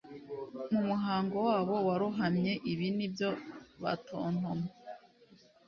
Mu muhogo wabo warohamye ibi nibyo batontoma